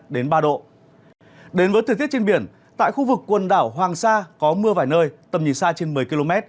đến với thời tiết trên biển tại khu vực quần đảo hoàng sa có mưa vài nơi tầm nhìn xa trên một mươi km